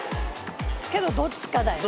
けどどっちかだよ。